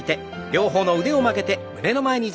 両方の腕を曲げて胸の前に。